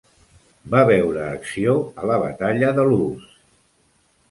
Va veure acció a la Batalla de Loos.